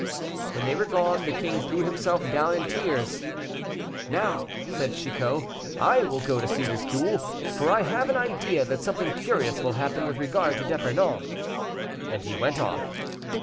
When they were gone, the king threw himself down in tears. "Now," said Chicot, "I will go to see this duel, for I have an idea that something curious will happen with regard to D'Epernon." And he went off.